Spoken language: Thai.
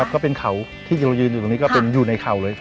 ก็เป็นเขาที่เรายืนอยู่ตรงนี้ก็เป็นอยู่ในเข่าเลย